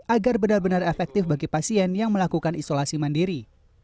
agar benar benar efektif bagi pasien yang melakukan isolasi mandiri